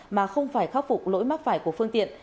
mà không phải khắc phục lỗi mắc phải của phương tiện